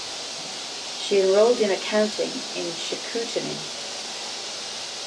She enrolled in accounting in Chicoutimi.